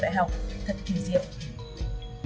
thật kỳ diệu